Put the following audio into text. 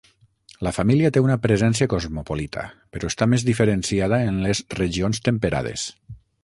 La família té una presència cosmopolita, però està més diferenciada en les regions temperades.